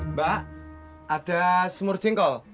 mbak ada semur jengkol